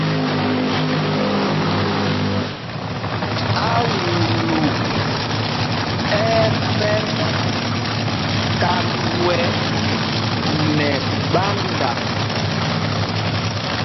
Aūlū ɛ́ ɛ́ mɛt kánd wɛ nɛ ɓánda.